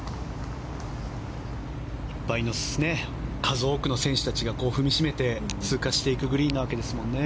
数多くの選手たちが踏みしめて通過していくグリーンなわけですもんね。